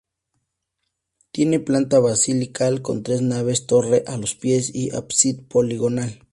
Tiene planta basilical con tres naves, torre a los pies y ábside poligonal.